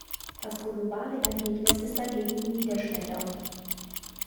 Das globale Ergebnis ist dagegen niederschmetternd.